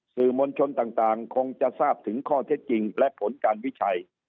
สื่อมวลชนต่างคงจะทราบถึงข้อเท็จจริงและผลการวิจัย